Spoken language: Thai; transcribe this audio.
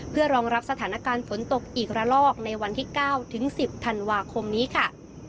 เพื่อรองรับสถานการณ์ฝนตกอีกระลอกในวันที่๙ถึง๑๐ธันวาคมนี้ค่ะ